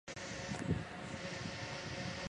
大城堡是马来西亚吉隆坡首都南部的一个市镇。